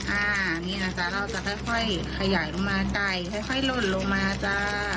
อ่านี่นะจ๊ะเราจะค่อยขยายลงมาใกล้ค่อยลนลงมาจ๊ะ